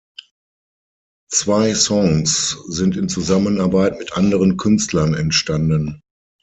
Zwei Songs sind in Zusammenarbeit mit anderen Künstlern entstanden.